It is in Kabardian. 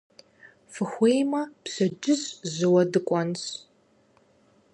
Фыхуеймэ, пщэдджыжь жьыуэ дыкӀуэнщ.